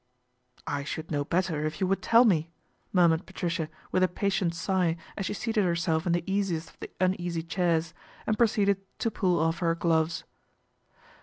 " I should know better, if you would tell me," murmured Patricia with a patient sigh as she seated herself in the easiest of the uneasy chairs, and procceeded to pull off her gloves.